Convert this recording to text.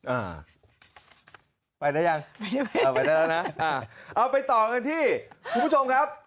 อ่าไปหรือยังเอาไปได้แล้วนะอ่าเอาไปต่อกันที่คุณผู้ชมครับ